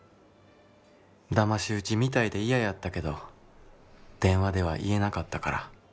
騙し討ちみたいで嫌やったけど電話では言えなかったから。